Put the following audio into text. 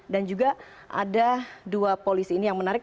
dan juga ada dua polisi ini yang menarik